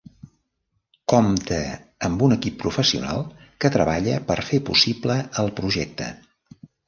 Compta amb un equip professional que treballa per fer possible el projecte.